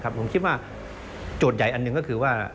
ผมคิดว่าโจทย์ใหญ่อันหนึ่งก็คือว่า